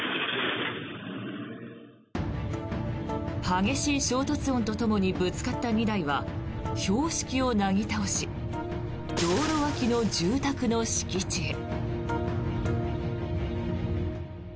激しい衝突音とともにぶつかった２台は標識をなぎ倒し道路脇の住宅の敷地へ。